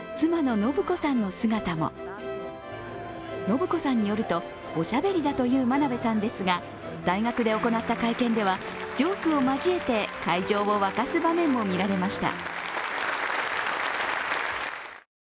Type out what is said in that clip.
信子さんによると、おしゃべりだという真鍋さんですが大学で行った会見ではジョークを交えて会場を沸かす場面も見られました。